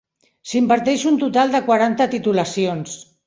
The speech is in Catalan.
S'imparteix un total de quaranta titulacions.